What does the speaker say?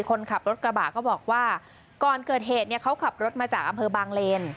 คนขับรถกระบะก็บอกว่าก่อนเกิดเหตุเนี่ยเขาขับรถมาจากอำเภอบางเลน